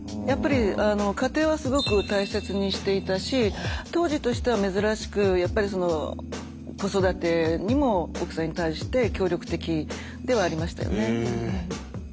やっぱり家庭はすごく大切にしていたし当時としては珍しく子育てにも奥さんに対して協力的ではありましたよね。